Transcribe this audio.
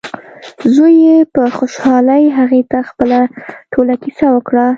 زوی یې په خوشحالۍ هغې ته خپله ټوله کیسه وکړه.